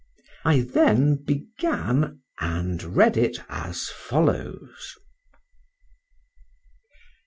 —I then began and read it as follows.